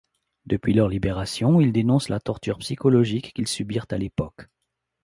Depuis leur libération, ils dénoncent la torture psychologique qu'ils subirent à l'époque.